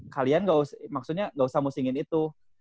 kalian gak usah maksudnya gak usah musingin itu